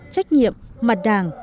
trách nhiệm mặt đảng